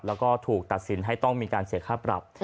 แล้วก็ถูกตัดสินให้ต้องมีการเสียค่าปรับ